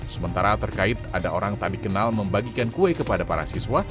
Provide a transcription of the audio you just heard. sementara terkait ada orang tak dikenal membagikan kue kepada para siswa